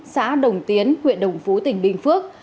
xã đồng tiến huyện đồng phú tỉnh bình phước